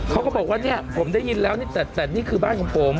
เขาก็บอกว่าเนี่ยผมได้ยินแล้วนี่แต่นี่คือบ้านของผม